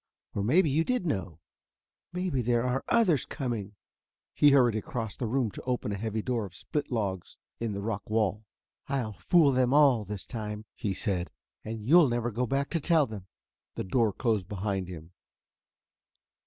Or maybe you did know maybe there are others coming...." He hurried across the room to open a heavy door of split logs in the rock wall. "I'll fool them all this time," he said; "and you'll never go back to tell them." The door closed behind him.